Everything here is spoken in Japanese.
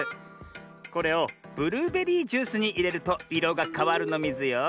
これをブルーベリージュースにいれるといろがかわるのミズよ。